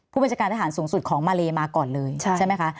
ผู้บัญชาการทหารสูงสุดของมาเลมาก่อนเลยใช่ไหมคะ